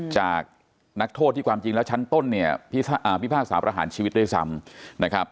จากนักโทษที่ความจริงแล้วชั้นต้นเนี่ยพิพากษาประหารชีวิตด้วยซ้ำนะครับ